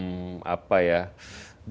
dengkang kematian buat pak yusril